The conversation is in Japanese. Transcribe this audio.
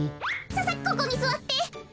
ささっここにすわって。